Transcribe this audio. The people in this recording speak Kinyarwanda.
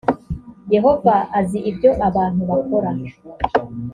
yehova azi ibyo abantu bakora